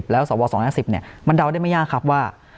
แล้วสว๒๕๐มันเดาได้ไม่ยากครับว่า